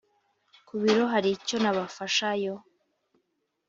kubiro haricyo nabafasha yo